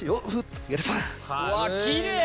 うわっきれい。